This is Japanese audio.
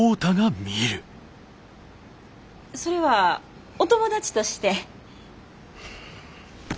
それはお友達として？